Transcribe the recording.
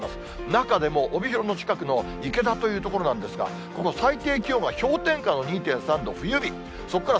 中でも、帯広の近くの池田という所なんですが、この気温は氷点下の２．３度、冬日。